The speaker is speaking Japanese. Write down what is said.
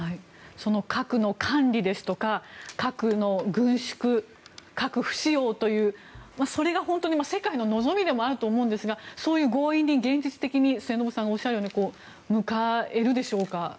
その核の管理ですとか核の軍縮、核不使用というそれが本当に世界の望みでもあると思うんですがそういう合意に現実的に末延さんがおっしゃるように向かえるでしょうか。